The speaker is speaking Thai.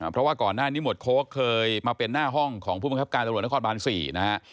เพราะว่าก่อนหน้านี้หมวดโค้กเคยมาเป็นหน้าห้องของผู้บังคับการตำรวจนครบาน๔นะฮะ